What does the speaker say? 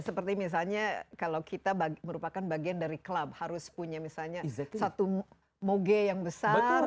seperti misalnya kalau kita merupakan bagian dari klub harus punya misalnya satu moge yang besar